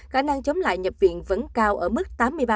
khả năng chống lại nhập viện vẫn cao ở mức tám mươi ba